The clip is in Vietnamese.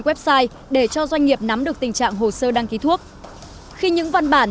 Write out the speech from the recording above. website để cho doanh nghiệp nắm được tình trạng hồ sơ đăng ký thuốc khi những văn bản